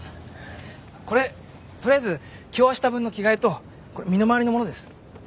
これ取りあえず今日あした分の着替えとこれ身の回りの物です。